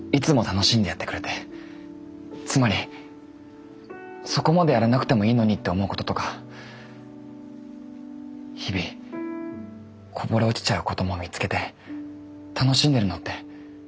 つまりそこまでやらなくてもいいのにって思うこととか日々こぼれ落ちちゃうことも見つけて楽しんでるのって